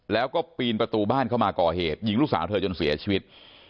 แล้วก็ปีนประตูบ้านเข้ามาก่อเหตุยิงลูกสาวเธอจนเสียชีวิต